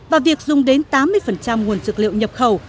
và việc dùng đến tám mươi nguồn dược liệu nhập khẩu